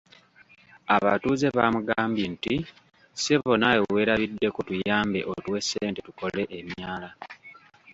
Abatuuze baamugambye nti, "ssebo naawe weerabiddeko tuyambe otuwe ssente tukole emyala".